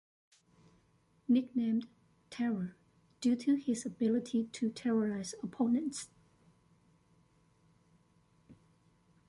Nicknamed "Terror" due to his ability to terrorise opponents.